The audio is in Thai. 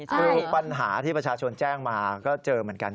คือปัญหาที่ประชาชนแจ้งมาก็เจอเหมือนกัน